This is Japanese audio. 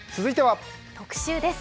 特集です。